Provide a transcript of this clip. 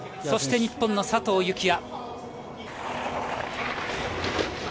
そして日本の佐藤幸椰。